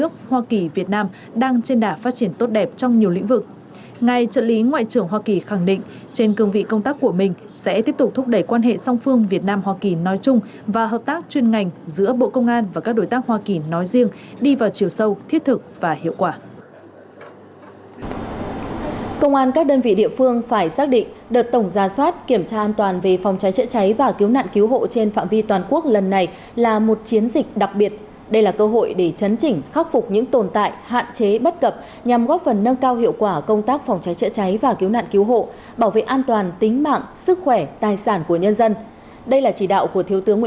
đây là chỉ đạo của thiếu tướng nguyễn văn long thứ trưởng bộ công an tại hội nghị triển khai tổng gia soát kiểm tra an toàn về phòng cháy chữa cháy và cứu nạn cứu hộ trên phạm vi toàn quốc được bộ công an tổ chức vào sáng nay tại hà nội theo hình thức trực tuyến tới công an các đơn vị địa phương